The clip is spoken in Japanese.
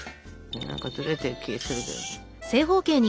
何かずれてる気がするけど。